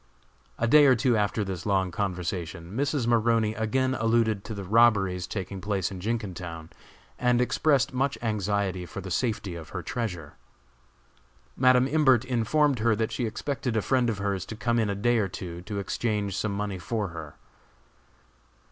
A day or two after this long conversation, Mrs. Maroney again alluded to the robberies taking place in Jenkintown, and expressed much anxiety for the safety of her treasure. Madam Imbert informed her that she expected a friend of hers to come in a day or two to exchange some money for her.